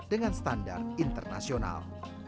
dengan standar internasional